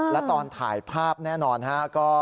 และตอนถ่ายภาพแน่นอนฮะ